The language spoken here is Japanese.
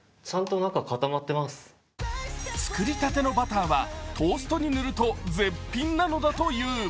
作りたてのバターはトーストに塗ると絶品なのだという。